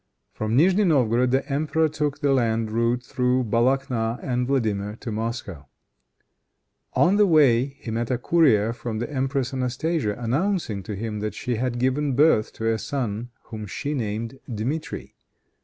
From Nigni Novgorod the emperor took the land route through Balakna and Vladimir to Moscow. On the way he met a courier from the Empress Anastasia, announcing to him that she had given birth to a son whom she named Dmitri.